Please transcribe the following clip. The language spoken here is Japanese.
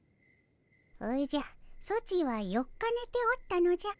おじゃソチは４日ねておったのじゃ。